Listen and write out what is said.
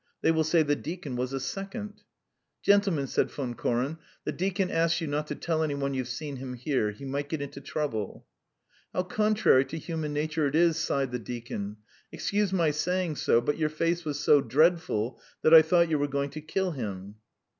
They will say: 'The deacon was a second.'" "Gentlemen," said Von Koren, "the deacon asks you not to tell any one you've seen him here. He might get into trouble." "How contrary to human nature it is!" sighed the deacon. "Excuse my saying so, but your face was so dreadful that I thought you were going to kill him."